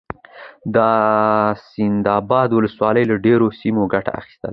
د سيدآباد ولسوالۍ له ډبرو سمه گټه اخيستل: